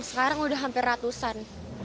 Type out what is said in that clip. sekarang udah hampir ratusan